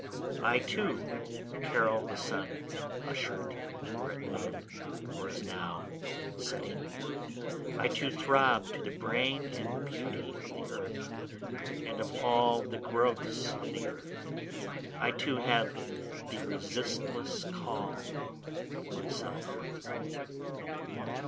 I too carol the sun, usher'd or at noon, or as now, setting, I too throb to the brain and beauty of the earth and of all the growths of the earth, I too have felt the resistless call of myself.